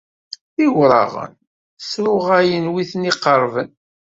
D iwraɣen, sruɣayen wi ten-iqerrben.